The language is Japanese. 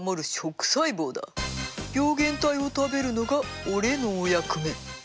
病原体を食べるのが俺のお役目。